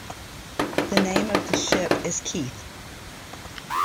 The name of the ship is Keith.